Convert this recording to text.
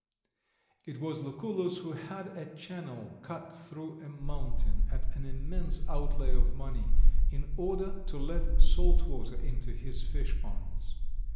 It was Lucullus who had a channel cut through a mountain at an immense outlay of money, in order to let salt water into his fish ponds.